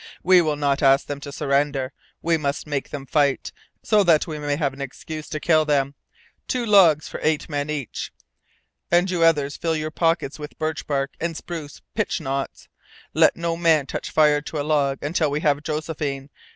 "We will not ask them to surrender. We must make them fight, so that we may have an excuse to kill them. Two logs for eight men each. And you others fill your pockets with birch bark and spruce pitch knots. Let no man touch fire to a log until we have Josephine.